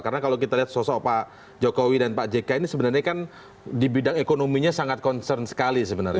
karena kalau kita lihat sosok pak jokowi dan pak jk ini sebenarnya kan di bidang ekonominya sangat concern sekali sebenarnya